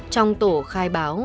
trong tổ khai báo